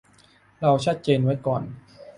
เราชัดเจนไว้ก่อน